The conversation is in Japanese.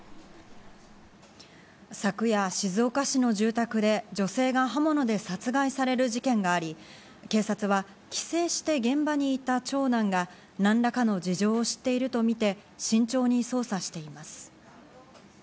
昨夜、静岡市の住宅で女性が刃物で殺害される事件があり、警察は、帰省して現場にいた長男が何らかの事情を知っているとみて慎重に捜査しています。